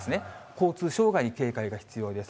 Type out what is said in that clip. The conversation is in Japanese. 交通障害に警戒が必要です。